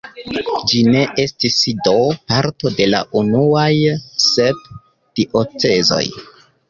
Ĝi ne estis do parto de la unuaj sep diocezoj.